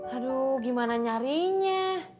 aduh gimana nyarinya